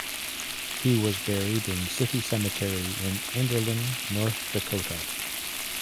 He was buried in City Cemetery at Enderlin, North Dakota.